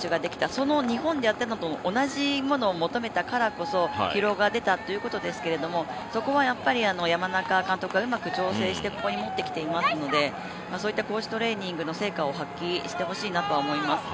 その日本でやっているものと同じものを求めたからこそ疲労が出たということですけどそこは山中監督がうまく調整してここに持ってきていますのでそういった高地トレーニングの成果を発揮してもらいたいなと思います。